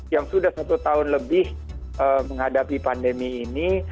yang sudah satu tahun lebih menghadapi pandemi ini